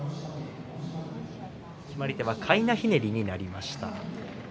決まり手はかいなひねりになりました。